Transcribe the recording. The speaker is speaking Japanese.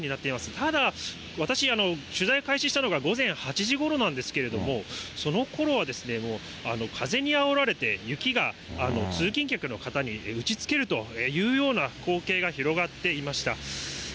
ただ、私、取材を開始したのが午前８時ごろなんですけれども、そのころはもう、風にあおられて、雪が通勤客の方に打ちつけるというような光景が広がっていました。